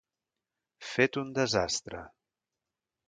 Fet un desastre.